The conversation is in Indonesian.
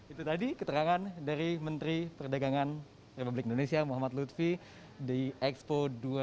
itu tadi keterangan dari menteri perdagangan republik indonesia muhammad lutfi di expo dua ribu dua puluh